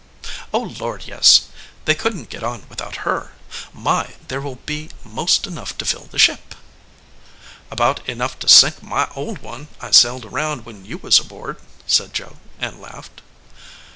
"O Lord, yes! They couldn t get on without her. My! there will be most enough to fill the ship." "About enough to sink my old one I sailed around when you was aboard," said Joe, and laughed.